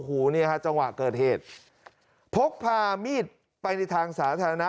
หูเนี่ยฮะจังหวะเกิดเหตุพกพามีดไปในทางสาธารณะ